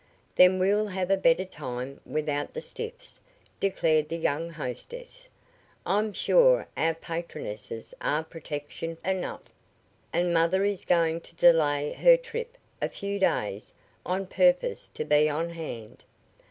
"Then we'll have a better time without the stiffs," declared the young hostess. "I'm sure our patronesses are protection enough, and mother is going to delay her trip a few days on purpose to be on hand."